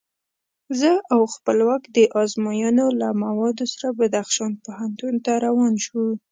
زه او خپلواک د ازموینو له موادو سره بدخشان پوهنتون ته روان شوو.